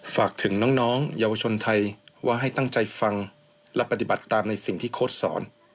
ฝากถึงน้องเยาวชนไทยว่าให้ตั้งใจฟังและปฏิบัติตามในสิ่งที่โค้ดสอน